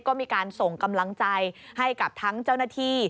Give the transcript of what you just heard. ก็มีการส่งกำลังใจให้กับทั้งเจ้าหน้าที่